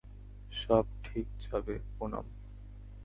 সব ঠিক যাবে, পুনাম।